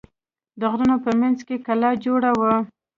د غرونو په منځ کې کلا جوړه وه.